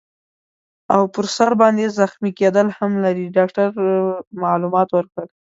او پر سر باندي زخمي کیدل هم لري. ډاکټر معلومات ورکړل.